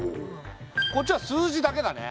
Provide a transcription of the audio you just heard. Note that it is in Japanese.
こっちは数字だけだね。